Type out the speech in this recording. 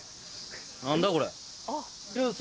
何だこれ？